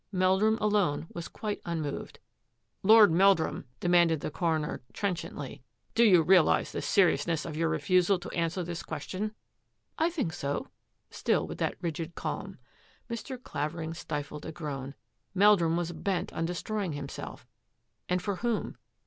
Meldrum alone was quite xanaawed. ^^ Lord Meldrum," demanded the coroner trenchantly, " do you realise the seriousness of your refusal to answer this question? "" I think so," still with that rigid calm. Mr. Clavering stifled a groan. Meldrum was bent on destroying himself — and for whom?